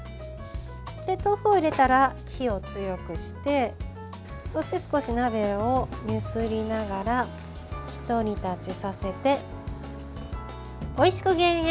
豆腐を入れたら、火を強くしてそして少し鍋をゆすりながらひと煮立ちさせておいしく減塩！